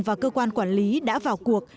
và cơ quan quản lý đã vào cuộc